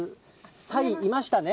サイ、いましたね。